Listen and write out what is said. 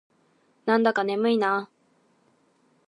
なんだか眠いな。